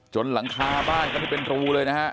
จนหลังคาบ้านก็ได้เป็นรูเลยนะครับ